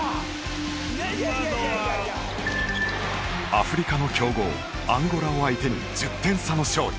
アフリカの強豪アンゴラを相手に１０点差の勝利。